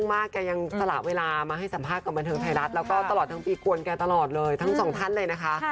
ไปถึงไทยรัฐแล้วก็ตลอดทั้งปีกวนแกตลอดเลยทั้งสองท่านเลยนะคะ